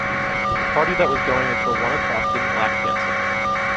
The party that was going until one o’clock didn’t lack dancing.